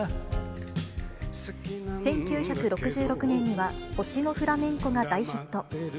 １９６６年には、星のフラメンコが大ヒット。